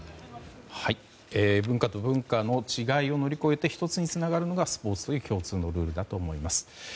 文化と文化の違いを乗り越えて１つにつながるのがスポーツという共通のルールだと思います。